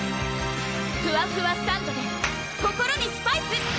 ふわふわサンドｄｅ心にスパイス！